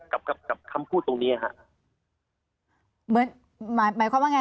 กับกับคำพูดตรงเนี้ยฮะเหมือนหมายหมายความว่าไง